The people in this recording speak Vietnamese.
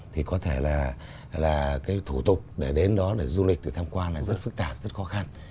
thì có thể là cái thủ tục để đến đó để du lịch tự tham quan là rất phức tạp rất khó khăn